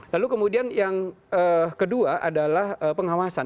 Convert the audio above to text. lalu kemudian yang kedua adalah pengawasan